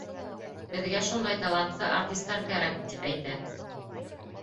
Беҙгә шундай талантлы артистар кәрәк, тип әйтә.